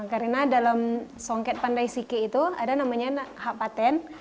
karena dalam songket pandai sike itu ada namanya hak patent